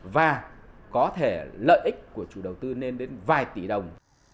và có thể lợi ích của chủ đầu tư lên đến vài tỷ đồng